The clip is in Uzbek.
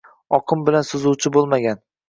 oqim bilan suzuvchi bo‘lmagan